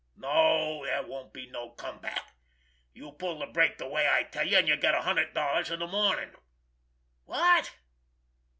No, there won't be no come back.... You pull the break the way I tell you, and you get a hundred dollars in the morning.... What?...